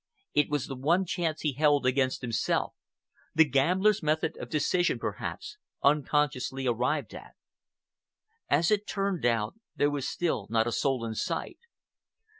It was the one chance he held against himself,—the gambler's method of decision, perhaps, unconsciously arrived at. As it turned out, there was still not a soul in sight.